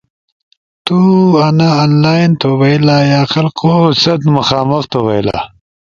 ت تو آںا آن لائن تو بئیلا یا خلقو ست مخامخ تو بھئیلا۔